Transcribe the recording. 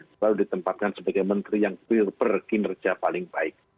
selalu ditempatkan sebagai menteri yang berkinerja paling baik